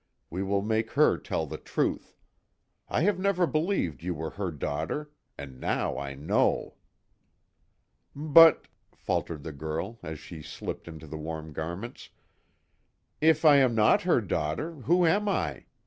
And we will make her tell the truth. I have never believed you were her daughter and now I know!" "But," faltered the girl, as she slipped into the warm garments, "If I am not her daughter, who am I?